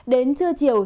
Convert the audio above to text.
đến trưa chiều